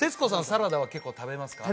サラダは結構食べますか？